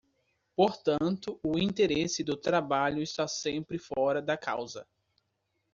Portanto, o interesse do trabalho está sempre fora da causa.